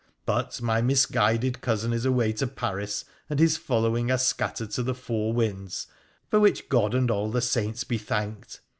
But my misguided cousin is away to Paris, and his following are scattered to the four winds — for which God and all the saints be thanked